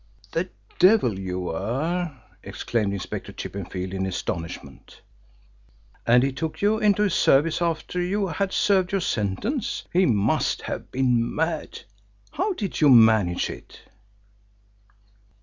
"The devil you were!" exclaimed Inspector Chippenfield, in astonishment. "And he took you into his service after you had served your sentence. He must have been mad. How did you manage it?"